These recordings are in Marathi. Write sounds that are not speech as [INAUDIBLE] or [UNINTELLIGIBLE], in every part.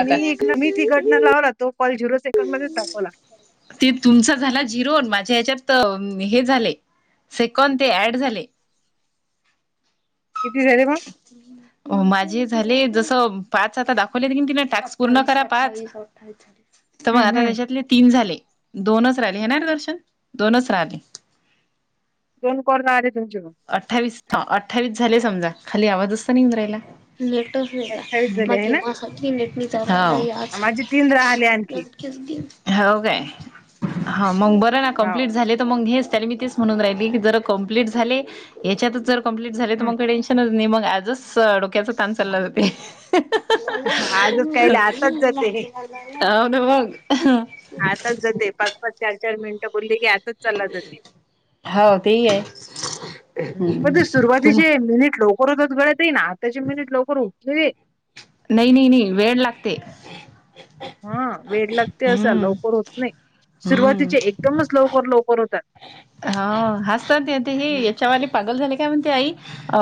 आता मी एक मी तिकडनं लावला तो कॉल झिरो सेकंड मध्येच दाखवला ते तुमचा झाला झिरो माझ्या ह्याच्यात हे झालेय सेकंद ते ॲड झाले. किती झाले मग [UNINTELLIGIBLE] माझे झाली जस पाच आता दाखवले की आता तिने टास्क पूर्ण करा पाच [UNINTELLIGIBLE] तर मग हम्म आता हम्म त्यांच्यातले तीन झाले दोनच राहिले हेणारे दर्शन दोनच राहिले दोन कोरोना आली तुमची मग अठ्ठावीस अठ्ठावीस झाले समजा खाली आवाज असत नाही इंद्रायला [UNINTELLIGIBLE] हो अठ्ठावीस झाले आहे ना माझे तीन राहिले आणखी काय हा मग बर ना हो कंपलीट झाले तर मग हे मी ते म्हणून राहिली की जर कंप्लीट झाले याच्यातच जर कंप्लीट झाले तर हम्म मग काही टेन्शनच नाही मग आजच [INAUDIBLE] डोक्याच काम चाललं ते आजच काय ला तच जाते आ न बघ हा आताच जाते पाच पाच चार चार मिनिट बोलली की आतच चालला जाते हो तेही आहे पण हम्म. ते तुम सुरुवातीचे मिनिट लवकरतच गळेत आहे ना आताची मिनिट लवकर होत नाय नाही नाही नाही वेळ लागते हा वेळ लागते असा हम्म. लवकर होत नाही हम्म. सुरुवातीचे एकदमच लवकर लवकर होतात ह हसत ते ते हे हम्म. याच्यावरली पागल झाले काय म्हणते आई अ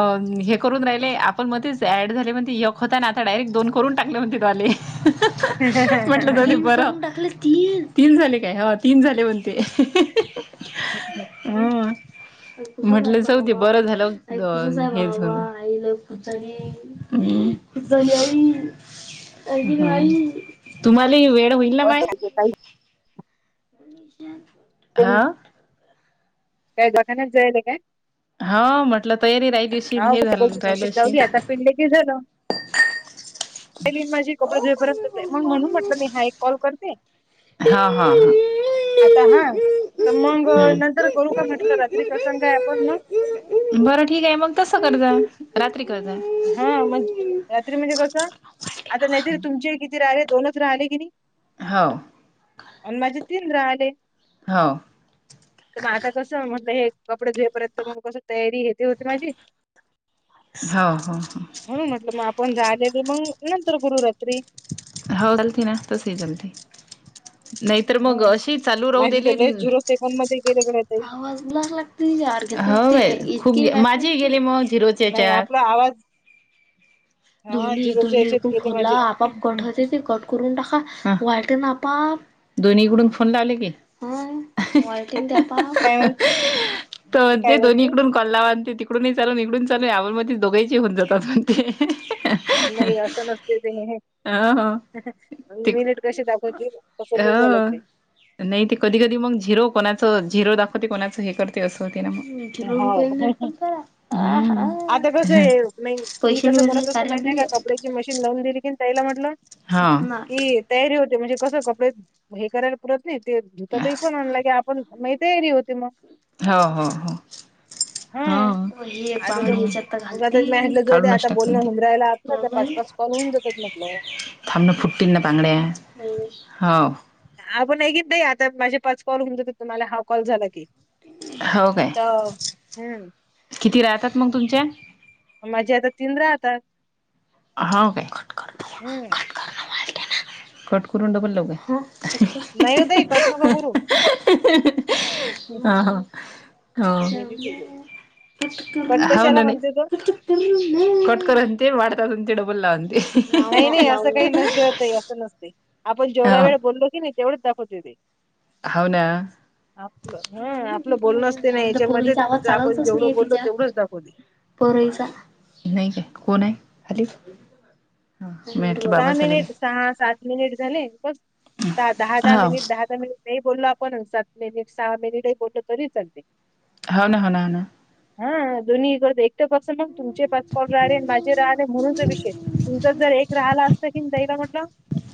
हे करून राहिले आपण मध्येच ऍड झाले म्हण यक होता ना आता डायरेक्ट दोन करून टाकले म्हणतेले म्हटलं बरा [UNINTELLIGIBLE] टाकलं ती तीन झाले काय ह तीन झाले बोलते [UNINTELLIGIBLE] [UNINTELLIGIBLE] म्हटलं जाऊदे बर झालं हो तेच ना [UNINTELLIGIBLE] [UNINTELLIGIBLE] तुम्हाला वेड [UNINTELLIGIBLE] [UNINTELLIGIBLE] हा. काय डोकानात जायला काय हा म्हटलं तयारी राहिलीस हा [UNINTELLIGIBLE] मशीन लावली आता पिले की झालं [UNINTELLIGIBLE] माझे कपडे धुएपर्यंत मग म्हणून म्हटलं मी हा एक कॉल करते [UNINTELLIGIBLE] आता हा तर मग हम्म नंतर करू का म्हटलं रात्री कस काय आपण मग बरं ठीक आहे मग तसं करुया रात्री करते हा म रात्री म्हणजे कसं आता नाहीतर तुमचे किती राहिले, दोनच राहिले कि नाही हा. आणि माझे तीन राहिले हा. तर मग आता कसं म्हटल हे कपडे धुएपर्यंत मग कस तयारी येथे होत राहिली हा हा हा. म्हणून म्हटलं मग आपण राहिलेले मग नंतर करू रात्री हो गलती ना तसही गलती नाहीतर मग हं. अशी चालू राहू माझी देली. तर लय झिरो सेकंद मध्ये गेले गड्या ताई आवाज [UNINTELLIGIBLE] [UNINTELLIGIBLE] हो खूप माझे गेले मग झिरोच्या नाही याच्यात आपला आवाज हा धोनी झिरोच्या धोनी एक याच्यात खूप गेले खोलला माझे आपाआप कट होते ते कट करून टाका वाट ना पाप. दोन्हीकडून फोन लावले की. हा काय म्हणते [UNINTELLIGIBLE] पण ते काय म्हणते? दोन्हीपण कलावान ते तिकडूनही चालून इकडून चालून यावमध्ये दोघईची होऊ जातात पण ते नाही असं नसते ते म्हणे हा हा. म मिनिट कशी दाखवतील तसं मी झाल ह ते नाही ते कधी कधी मग झिरो कोणाच झिरो दाखवते कोणाचं हे करते असं होते ना मग हो [UNINTELLIGIBLE] म मी पैसे नि कसं भेटला करत असतो कार्य माहितीय आहे दिले का कपड्याची मशीन लावून दिली कीन त्याईला म्हटलं हा की तयारी होते म्हणजे कसं कपडे हे करायला पुरत नाही ते धुतातही पण के आपण माझी तयारी होती मग हो हो हो. हा हेच्या आता कस आता मग घालती मी म्हटलं जाऊ दे काढूनच आता टाकून बोलणं ते होऊन राहिलं आपलं पाच पाच कॉल होऊन जातात म्हटलं थांबणं फुट्टतीलन ना बांगड्या हो आपण एकऐी द आता माझे पाच कॉल होऊन जातात तुम्हाला हाव कॉल झाला की हो काय तर हम्म किती राहतात मग तुमच्या माझे आता तीन राहतात होा काय कट करण हं. खटण कट करून डबल लाव का नाहीय होदय कटन कागुू ह हो मी नाही ठेवलेलं. कट हव कशाला न नाही म्हणते तो? कटकररंत वातारंतडबल अंत नाही नाही असं काही नसतेवता असं नसते आपण जेवढा वेळ बोललो की नाही तेवढंच दाखवतो ते हो ना आपलं हा आपलं बोलणंच ते नाही आमच्या याच्यामध्ये पोरीचा आवाज आपण जेवढं बोललो तेवढंच दाखव दे परायचा नाही काय कोण आहे खालीच हाम सहा मिनिट सहा सात मिनिट झाले द दहा दहा हा मिनिट दहा दहा मिनिट नाही बोललो आपण सात मिनिट सहा मिनिटही बोललो तरी चालते हो ना हो ना हो ना हा दोन्ही करत एक तर कस मग तुमचे पाच कॉलर माझ राह म्हणून विषय तुमच जर एक राहाला असत की दैवा म्हटलं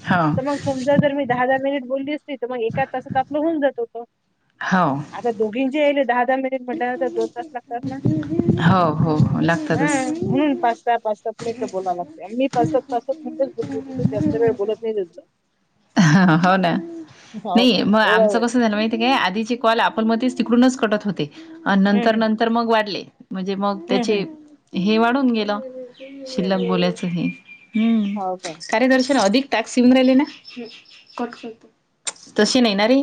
हां तर मग समजा जर मी दहा दहा मिनिट बोलली असती तर मग एका तासात आपलं होऊन जात होतो हो आता दोघींचेयले दहा दहा दोन त हो हो हो लागतातच म्हणून पाच सात मिनिटं बोव लागते आणि मी पाच सात पाच सात मिटच बोल जास्त वेळ बोलत नाही ह हो ना हो नाही मग एवढा आमचं वेळ कसं झालं माहि य आधीचे कॉल आपण मध्येच तिकडूनच कटत होते आणि हम्म नंतर हम्म नंतर मग वाढले म्हणजे मग हम्म त्याचे हम्म हे वाढून गेलं हम्म शिल्लक बोलायचं हे हम्म हो काय कार्यदर्शन अधिक टाॅक् सिम राल ना तशी नाही ना रे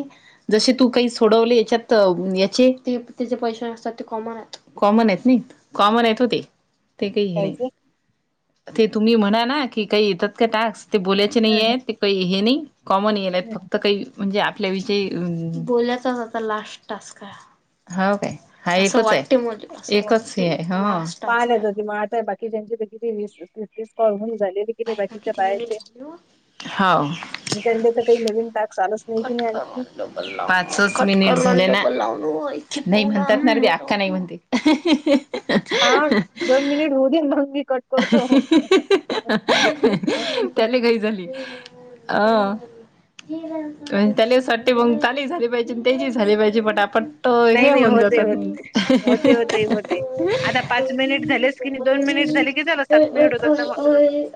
जसे तू काही सोडवले याच्यात याचे ते त्याचे पैसे असतात ते कॉमन आहेत कॉमन आहेत ना कॉमन आहेत हो ते ते काही हे कायचे नाही ते तुम्ही म्हणा ना की काही येतात का टास्क ते बोलायचे हम्म नाही आहे हम्म ते काही हे नाही कॉमन येल आहेत हम्म फक्त काही म्हणजे आपल्याविषयी बोल्याचाच आता लास्ट टस् का हो काय हा एकच आहे एकच आहे हो पानय ज त म आताय बाकी ज्यांचीीस कळून झाली बा किती झा हो मी त्यांच्या काही नवीन टास्क आलाच पाच मट झा नाही म्हणतात ना हम्म तेी अक्का नाही म्हणते हा दोन मिनिट होऊ दे महगी कट हम्म ही करतो. ही ही ही हा हा ही ही ही त्याले घाई झाली अ त्यासाठीट मग त्याली झाली पाहिजे त्याची झाली पाहिजे फटा फट. त नाही हे नाही होऊन होते जातात होते हम्म होते होते होते. आता पाच मिनिट झालेच की नाही, दोन मिनिट झाले की झालं सात हम्म मिनिट होतात ना मग हम्म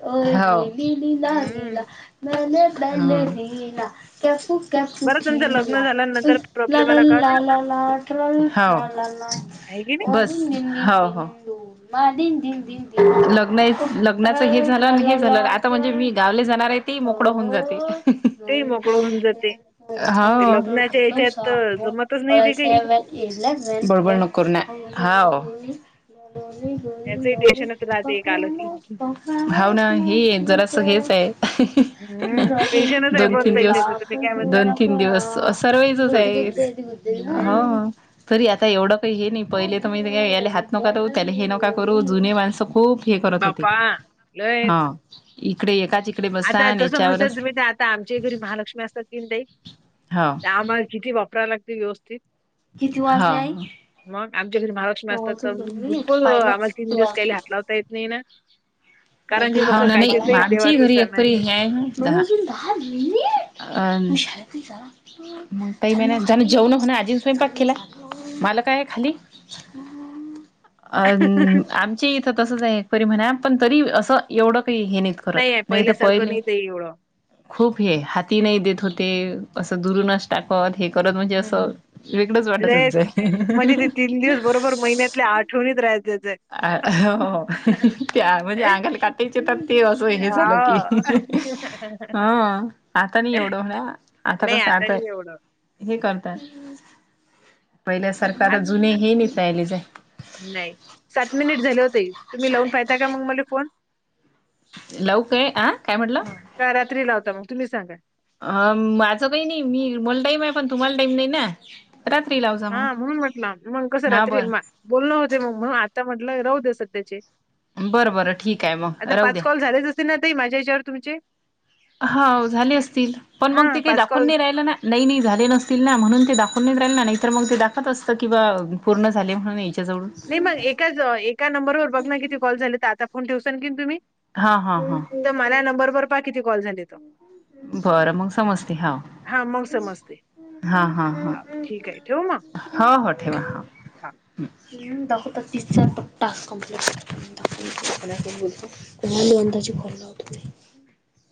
अ अ. अ िला लिला हम्म. [INAUDIBLE] मैने पले झला कपू कॅपू बरं तुमचं लग्न झाल्यानंतर िला प्रॉब्लेम आला डल का ते ला लाल आहे की नाही. हो मा दि दिन दि लग्न लग्नाच हे झालं आणि हे झालं आता म्हणजे मी गावले जाणार आहे ते मोकडं होऊन जाते ते मोकळ होऊन जाते. हा ते लग्नाच्या याच्यात तर त जमतच नाही ओला ते काही. म [INAUDIBLE] बळबळ नक ना हाव [INAUDIBLE] याच देश [INAUDIBLE] भावना हे जरास हेच आहे [INAUDIBLE] हम्म टेन्शनच आहे दोन पण तीन ताई दिवस त्याचं तुम्ही काय म्हणता. दोन तीन दिवस सरवाईचच दोन आहे तीन [INAUDIBLE] हम्म हा. तरी आता एवढं काही हे नाही पहिले तर म याला हात नका करू त्याला हे नका करू जुने माणसं खूप हे करत होते बापा हा लयच. इकडे एकाच इकडे बसा आता आणि तसं म्हणस याच्यावरच तुम्ही ते आता आमच्या घरी महालक्ष्मी असतात की ना ताई. हा त्या आम्हाला किती वापरायला लागतील व्यवस्थित. किती वाजले आई. मग आमच्या घरी महालक्ष्मी नऊ असतात तर वाजून दोन मिनिट भुलकूल पाहिलं आम्हाला तीन किती दिवस काहीली वाजले हात लावता येत नाही ना. कारण की हो कसं ना नाही कायचे ते मामची [INAUDIBLE] देवाचं घरी सण आहे अकबरी ना ते. है अ [INAUDIBLE] मग काही महि जण जेवण हो ना आजीन स्वयंपाक केला माल का आहे खाली. हम् [UNINTELLIGIBLE] अ आमचे इथं तसंच आहे एक परी म्हणा पण तरी असं एवढं काही हे नाही का करत आहे नाही तर पहिल्यासारखं पहिले. नाही ते एवढं. खूप हे हाती नाही देत होते असं दुरुूनष्ट टाकत हे करत म्हणजे हं, असं हं. वेगळंच लयच वाटतचय. ठोणीत राहायचंय. अ हो त्या म्हजे आगल काट ते तर ते असं हे झालं की हां. ह आता नाही एवढं होण्या नाही आता नाही एवढं. हे करतात पहिल्यासारखं आता जुने हे नियलेच. नाही सात मिनिट झाले होते तुम्ही लावून पाहता का मग मला फोन. लवकय अं काय म्हटलं हं. का रात्री लावता मग तुम्ही सांगा? अ माझं काही नाही मी मला टाईम आहे पण तुम्हाला टाईम नाही ना. रात्री लावजा. मग हा म्हणून म्हटलं मग कसं हा रात्री बरं बोलण होते मग आता म्हटलं राहू दे सध्याचे. बरं बरं ठीक आहे मग आता राहू पाच द्या कॉल झालेच असतील ना ताई माझ्या हच्यावर तुमचे. हा झाली असतील पण मग हां, ती काही दाखवून कॉल नाही राहिला ना. नाही नाही झाले नसतील ना म्हणून ते दाखवून नाहीेत राहील ना नाहीतर मग ते दाखत असतं किंवा पूर्ण झाले म्हणून याच्याजवळून. नाही मग एकाच एका नंबरवर बघ ना किती कॉल झाले. तर आता फोन ठेवसा कीन तुम्ही. हा हा हा तर मला या नंबरवर पहा किती कॉल झाले त बरं मग समजते हा. हा हा. हा ठीक आहे. ठेव मग. ह हो ठेवा ह. दख तर तीस चार टास्क कमप्लट कर बोलत [INAUDIBLE] कोल अंदाजी खलावतुमही